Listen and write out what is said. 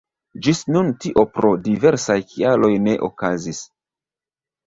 Ĝis nun tio pro diversaj kialoj ne okazis.